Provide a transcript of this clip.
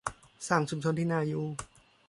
สร้างชุมชนที่น่าอยู่